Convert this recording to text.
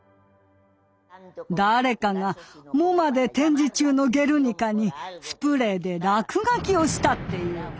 誰かがＭｏＭＡで展示中の「ゲルニカ」にスプレーで落書きをしたっていう。